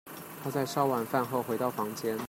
她在燒完飯後回到房間